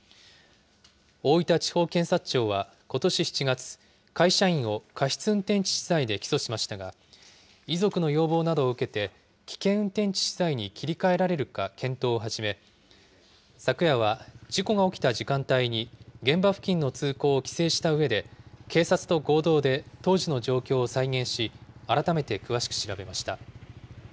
大分地方検察庁は、ことし７月、会社員を過失運転致死罪で起訴しましたが、遺族の要望などを受けて、危険運転致死罪に切り替えられるか検討を始め、昨夜は事故が起きた時間帯に現場付近の通行を規制したうえで、警察と合同で当時の状況を再現し、改めて詳しく調べました。